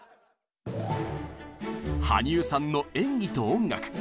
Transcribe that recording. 羽生さんの「演技」と「音楽」。